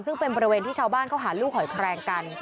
ซึ่งเป็นบริเวณที่ชาวบ้านเขาหาลูกหอยแคลงกัน